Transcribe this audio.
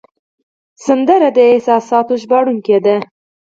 سندره د احساساتو ژباړونکی ده